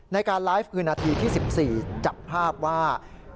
ในการไลฟ์คือนาทีที่๑๔จับภาพว่า